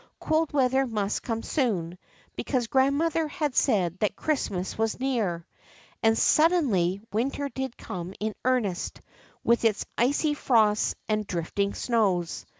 Cold weather must soon come, because grandmother had said that Christmas was near. And suddenly winter did come in earnest, with its icy frosts and drifting snows.